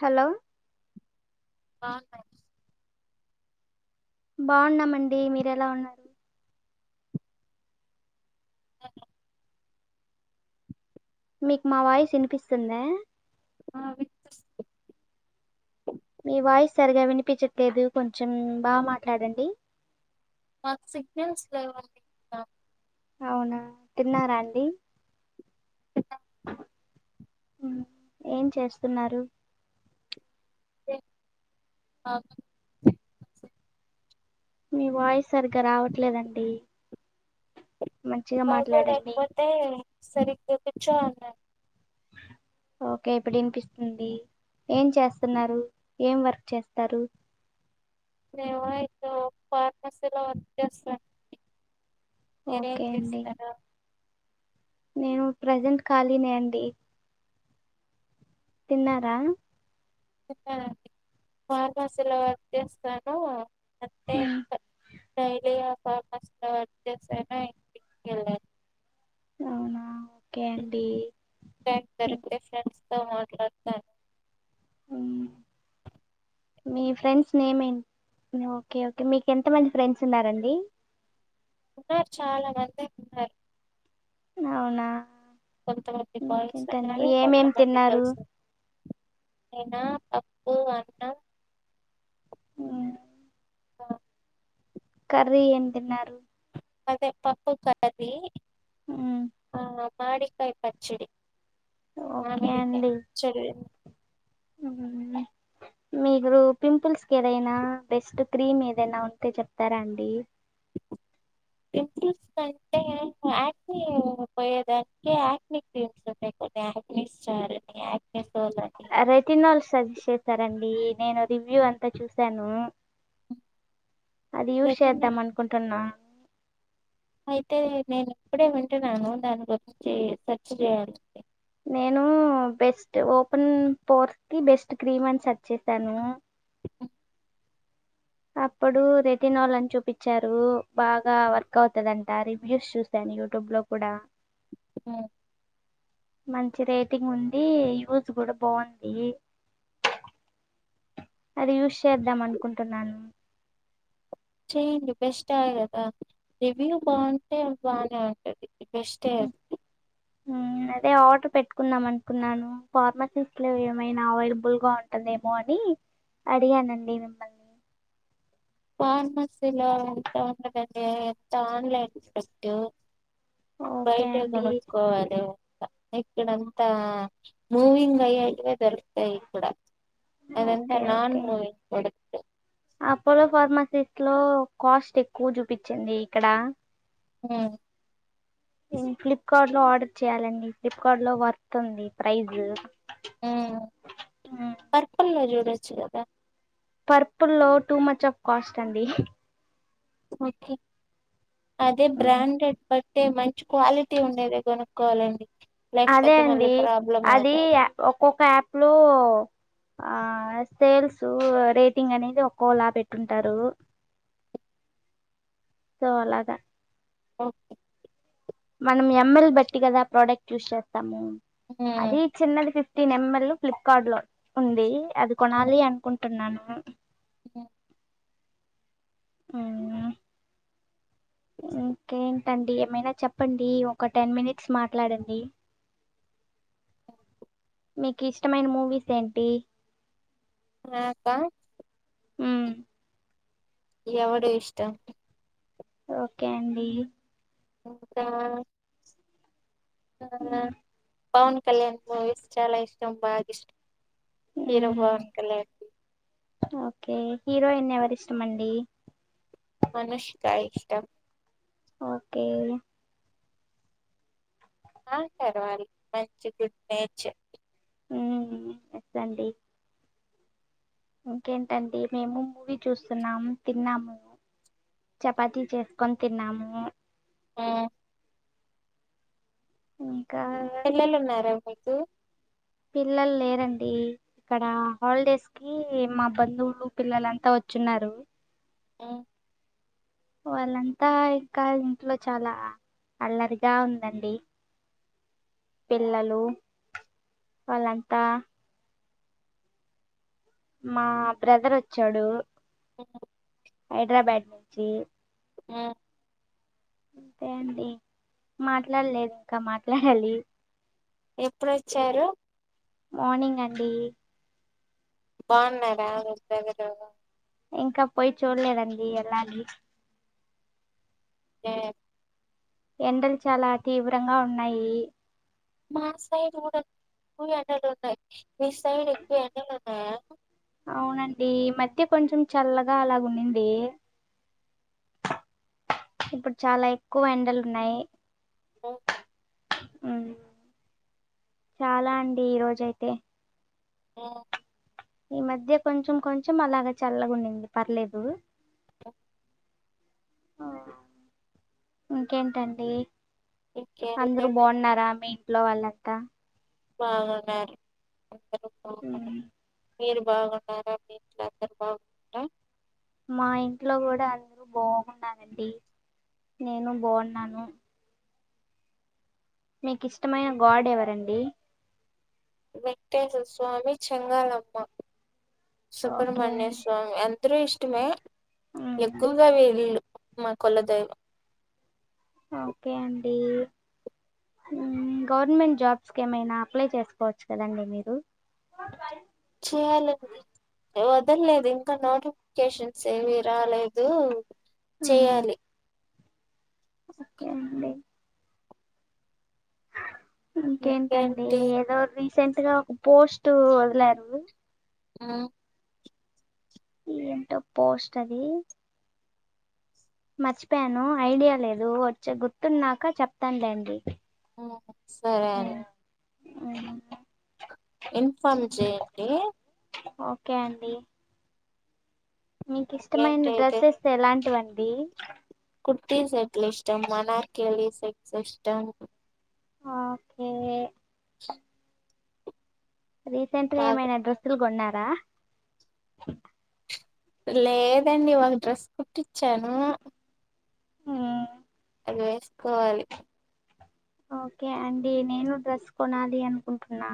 Hello ఆ బాగున్నామండి మీర ఎలా ఉన్నారు మీకు మా వాయిస్ వినిపిస్తుందా ఆ వి మీ వాయిస్ సరిగా వినిపించట్లేదు కొంచెం బాగా మాట్లాడండి మాకు సిగ్నల్స్ లేవండి ఇక్కడ అవునా తిన్నారా అండి ఉ ఏం చేస్తున్నారు. మీ వాయిస్ సరిగ్గా రావట్లేదండి మంచిగా మాట్లాడండి బాగోలేకపోతే సరి ఇక్కడ కూచునన్ ఓకే ఇప్పుడు వినిపిస్తుంది ఏం చేస్తున్నారు ఏం వర్క్ చేస్తారు. [unintelligible] ఫార్మసీలో వర్క్ చేస్తున అండి [unintelligible] ఓకే అండి చేస్తారో నేను ప్రజెంట్ కాలీనే అండి తిన్నారా తిన్నారండి ఫార్మసీలో వర్క్ చేస్తాను అంతే మ్మ్. ఇంక డైలీ ఆ ఫార్మసీలో వర్క్ అర్జెంట్స్ అయిన ఇంటికెళ్లలీ అవునా ఓకే అండి దానికి దానికి డిఫరెన్స్ ఆహ అట్లంటాంది మ్మ్. మీ ఫ్రెండ్స్ నేమ్ ఏ ఓకే ఓకే మీకు ఎంతమంది ఫ్రెండ్స్ ఉన్నారండి ఉన్నారు చాలా మందే ఉన్నారు అవునా కొంతమంది బాయ్స్ ఇంకేంటండి ఉన్నారు ఏమేమి కొంతమంది తిన్నారు గర్ల్స్ నేనా పప్పు అన్నం ఉమ్, ఆ కర్రీ ఎం తిన్నారు అదే పప్పు కర్రీ ఉమ్, ఆ మామిడికాయ్ పచ్చడి ఓకే మామిడికాయ్ అండి పచ్చడి ఉమ్, మీరు పింపుల్స్కి ఏదైనా బెస్ట్ క్రీమ్ ఏదైనా ఉంటే చెప్తారా అండి పింపుల్స్ అంటే యాక్నీ పోయేదానికి యాక్ని కీమ్స్ ఉంటాయి కొన్ని యాక్ని స్టార్ అని యాక్ని సోల్ అని రెటినాల్ సజెస్ట్ చేసారండి నేను రివ్యూ అంతా చూశాను అది యూస్ రెటినా చేద్దాం అనుకుంటాన్నా అయితే నేనిప్పుడే వింటున్నాను దాని గురించి సర్చ్ జేయాలి నేను బెస్ట్ ఓపెన్ పోర్స్కి బెస్ట్ క్రీమ్ అని సెర్చ్ చేసాను అప్పుడు రెటినాల్ అని చూపిచ్చారు బాగా వర్క్ అవుతదంట రివ్యూస్ చూసాను యూట్యూబ్ లో కూడా ఉమ్ మంచి రేటింగ్ ఉండి, యూస్ కూడా బాగుంది అది యూస్ చేద్దాం అనుకుంటున్నాను చెయ్యండి బెస్ట్ ఆ ఏ కదా రివ్యూ బాగుంటే బానే ఉంటది బెస్టే అన్ ఉ అదే ఆర్డర్ పెట్టుకుందం అనుకున్నాను, ఫార్మసిస్ట్ లో ఏమైనా అవైలబుల్ గా ఉంటుందేమో అని అడిగానండి మిమ్మల్ని ఫార్మసీలో అంత ఉండదండి అంత ఆన్లైన్ ప్రోడక్టు ఓకే బయటే అండి గొనుక్కోవాలే ఎక్కడ అంతా మూవింగ్ అయ్యేటివె దొరుక్ తే ఇక్కడ, అదంతా okay non okay moving product Apollo ఫార్మసీట్లో కాస్ట్ ఎక్కువ చూపిచ్చింది ఇక్కడ. [unintelligible] ఇన్ క్లిక్ [inaudible] ఆర్డర్ చేయాలండి ఫ్లిప్కార్ట్ లో వర్తుంది ప్రైజ్. ఉమ్ పర్పల్ లో జూ రిచ్ గదా పర్పుల్లో టూ మచ్ ఆఫ్ కాస్ట్ అండి ఒకే అదే బ్రాండెడ్ బట్ అంటే మంచి క్వాలిటీ ఉండేదే కొనుక్కోవాలండి. అదే లేకపోతే మళ్ళీ అండి ప్రాబ్లం అది అవుతాయి ఒక్కొక్క యాప్ లో ఆ ఆ సేల్సు రేటింగ్ అనేది ఒక్కోలా పెట్టుంటారు సో అలాగా. ఓకే మనం ఎంఎల్ బెట్టి కదా ప్రోడక్ట్ యూస్ చేస్తాము.. అదీ చిన్నది [inaudible] [unintelligible] నెంబర్లు ఫ్లిప్కార్ట్ లో ఉంది అది కొనాలి అనుకున్ టున్నాను హూ ఉమ్ ఇంకేం [unintelligible] ఏమైనా చెప్పండి ఒక టెన్ మినిట్స్ మాట్లాడండి, మీకు ఇష్టమైన మూవీస్ ఏంటి. నాకా ఉమ్ ఎవడు ఇష్టం ఓకే అండి ఇంకా ఆ పవన్ కళ్యాణ్ మూవీస్ చాలా ఇస్ ష్టం బాగిష్టం. హీరో మ్మ్ పవన్ కళ్యాణ్ [unintelligible] హీరోయిన్ ఎవరు ఇష్టమండి అనుష్క ఇష్టం ఓకే ఆ పర్వాలి మంచి గుడ్ నేచర్. మ్మ్ ఎస్ అండి ఇంకేంటండి మేము మూవీ చూస్తున్నాం తిన్నాము, చపాతీ చేసుకొని తిన్నాము. ఉమ్, ఇంకా పిల్లలున్నారా మీకు సో పిల్లలు లేరండి ఇక్కడ హాలిడేస్ కి మా బంధువులు పిల్లలంతా వచ్చున్నారు ఉమ్, వాళ్ళంతా ఇంకా ఇంట్లో చాలా అల్లరిగా ఉందండి పిల్లలు వాళ్ళంతా మా బ్రదర్ ఒచ్చాడు ఉమ్, హైడ్రాబ్యాడ్ ఉమ్. అంతే అండి మాట్లాడలేదు ఇంకా మాట్లాడాలి ఎప్పుడొచ్చారు మార్నింగ్ అండి బాగున్నారా [unintelligible] ఇంకా పోయి చూడలేదండి ఏళ్లలి ఎండలు చాలా తీవ్రంగా ఉన్నాయి మా సైడు గుడ ఎక్కువ ఎండలున్నాయ్ మీ సైడ్ ఎక్కువ ఎండలు [inaudible] ఆహ్ అవునండి ఈ మధ్య కొంచెం చల్లగా అలాగ ఉన్నింది ఇప్పుడు చాలా ఎక్కువ ఎండలు ఉన్నాయి ఉమ్, ఉమ్ చాలా అండి ఈ రోజయితే ఉమ్. ఈ మధ్య కొంచెం కొంచెం అలాగ చల్లగునింది పర్లేదు ఇంకేంటండి ఇంకేం అంద్రు లేదండి బాగున్నారా [inaudible] ఇంట్లో వాళ్లంతా బాగున్నారు అందరు ఉమ్, [inaudible] మీరు బాగున్నారా మీట్లోందరు బాగున్నారా మా ఇంట్లో కూడా అందర బాగున్నారండి నేను బాగున్నాను మీకు ఇష్టమైన గాడ్ ఎవరండి వెంకటేశ్వర స్వామి చెంగాలమ్మ ఓకే సుబ్రమణ్య అండి స్వామి ఇద్దరు ఇష్టమే ఎక్కువగా వేలీళు మా కొలాదైవం ఓకే అండి గవర్నమెంట్ జాబ్స్కి ఏమైనా అప్లై చేసుకోవచ్చు కదండి మీరు చేయాలండి వదల్లేదు ఇంకా నోటిఫికేషన్స్ ఏవి రాలేదు చేయాలి ఓకే అండి ఇంకేంటండి ఇంకేంటి ఏదో [inaudible] [unintelligible] ఒక పోస్ట్ వదిలారు ఉమ్ ఎంటప్ప పోస్ట్ అది మర్చిపోయాను ఐడియా లేదు వచ్చే గుర్తున్నాక చెప్తానులేండి ఆ సరే అండి ఊహు ఇన్ఫార్మ్ చేయండి కాండీ మీకు ఇంకేంటి ఇష్టమైన డ్రెస్సెస్ ఎలాంటివం దీ కుర్తీ సెట్లు ఇష్టం అనార్కలి సెట్స్ ఇష్టం ఆ ఓకే [inaudible] రీసెంట్ గ బాగా ఏమైనడ్రెస్సులు కొన్నార ర లేదండి ఒక డ్రెస్ కుట్టించాను ఉమ్ అది వేసుకోవాలి ఓకే అండి నేను డ్రెస్ కొనాలి అనుకుంటున్నా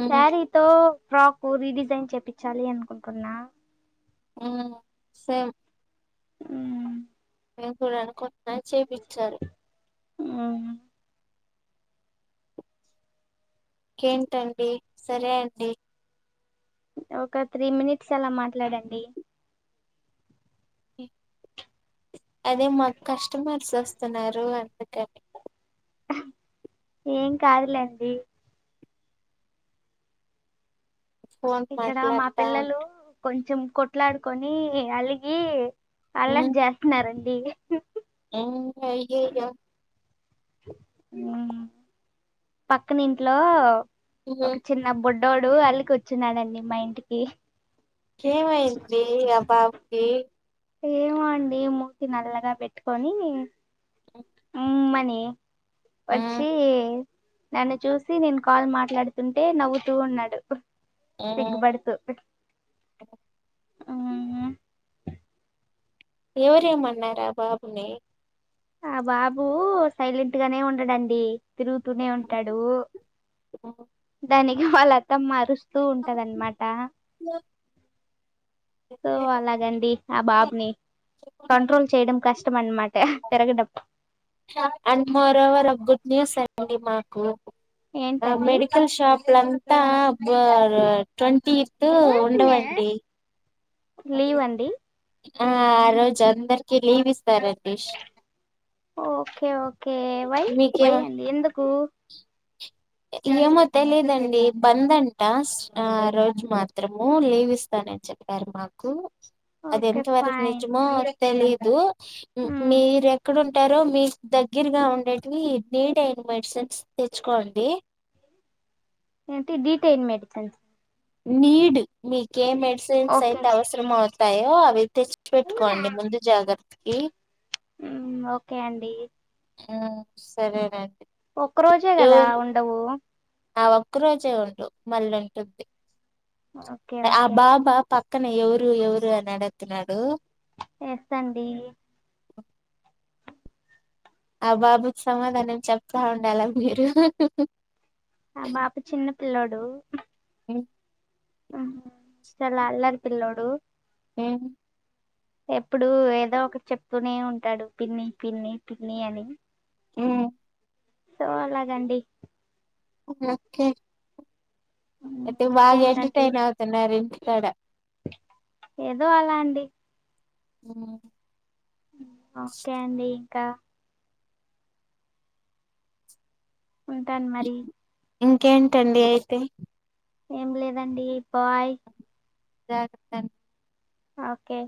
ఉమ్ సారితో ఫ్రాకు రీడిజైన్ చేపించాలి అనుకుంటున్నా ఉ సేం ఊ నేను కూడానుకు నాయి చేపించారూ ఉమ్ ఇంకేంటండి సరే అండి ఒక త్రీ మినిట్స్ అలా మాట్లాడండి అదే మాకు కస్టమర్స్ వస్తున్నారు అందుకని ఏం కాదులేండి ఫోన్ ఇక్కడ మా మాట్లాడతా పిల్లలు కొం కొంచెం కొట్లాడుకొని అలిగి అల్లరి చేస్తున్నారన్ అదీ ఉ అయ్యాయో ఉ పక్కన ఇంట్లో ఒక హ్మ్. చిన్న బుడ్ బిడ్డోడూ అలిగి కూర్చున్నాడండి మా ఇంటికి ఏమైంది అబాబు కి ఏమో అండి మూతీ నల్లగా పెట్టుకొని ఉమ్మని హ్మ్. వాచీ నన్ను చూసి నేను కాల్ మాట్లాడుతుంటే నవ్వుతూ ఉన్నాడు హ్మ్. సిగ్గుపడుతూ మ్మ్ ఎవరేమన్నారా ఆ బాబుని ఆ బాబు సైలెంట్ గానే ఉండడండి తిరుగుతూనే ఉంటాడు దానికి వాళ్ళ ఆత్మ అరుస్త వస్తూ ఉంటదన్నమాట సో అలాగండి ఆ బాబుని కంట్రోల్ చేయడం కష్ట్ మన మాట తిరగ డబ్బ ఆండ్ మోరోవర్ గుడ్ న్యూస్ అండి మాకు ఏంటండి మెడికల్ షాప్ లమ్ [unintelligible] తీర్తు ఉండవండి లీవ్ అండి ఆ ఆ రోజు అందరికీ లీవ్ ఇస్తారు ఆంటీ ష్ ఓకే ఓకే వై వై మీకేమ అండి ఎందుకు ఏమో తెలిదండి బంద్ అంట ఆ రోజు మాత్రము లీవ్ ఇస్తానని చెప్పారు మాకు అది ఓకే ఎంతవరకు ఫైన్ నిజమో తెలిదు ష్ ఉ ఉమ్ మీరెక్కడున్ ఉంటారు మీ దగ్గరగా ఉండేటివి నీడ్ అయిన మెడిసిన్స్ తెచ్చుకోండి ఏంటి డీటైన్ మెడిసన్స్ నీడ్ మీ ఏ మెడిసిన్స్ ఓకే సైత అవసరం అవుత తాయో అవి తెచ్చి పెట్టుకోండి ముందు జాగ్రత్తకి మ్మ్, ఓకే అండి ఆ సరేనండి ఒక్క రోజే కదా ఎవరు ఉండవు ఆ ఒక్క రోజే ఉండు మళ్ళీ ఉంటుంది ఓకే ఆ ఓకే అండి. బాబా పా పక్కన ఎవరు ఎవరు అడుగుతున్నారు ఏస్త అండి ఆ బాబుకు సమాధానం చెప్తా ఉండాలా మీరు ఉ హు హు ఆ మా ప చిన్న పిల్లోడు ఉమ్ అహ చాలా అల్లరి పిల్లోడు ఉహు ఎప్పుడు ఏదో ఒకటి చెప్తూనే ఉంటాడు పిన్ని పిన్ని పిన్ని అని ఉ సో లాగాండి ఒకే మ్మ్, అయితేే బాగా ఇంకేంటండి ఎంటర్టైన్ అవుతూన్నారు తేడా ఏదో అలా అండి. హుమ్ ఓకే అండి ఇంకా ఉంటాన్ మరి ఇంకేంటండి అయితే ఏం లేదండీ బాయ్. జాగ్రత్తండి. అఓకే